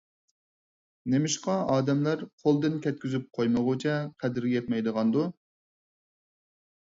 نېمىشقا ئادەملەر قولدىن كەتكۈزۈپ قويمىغۇچە قەدرىگە يەتمەيدىغاندۇ؟